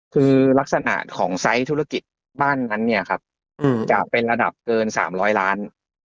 คือลักษณะของไซส์ธุรกิจบ้านนั้นเนี่ยครับจะเป็นระดับเกิน๓๐๐ล้าน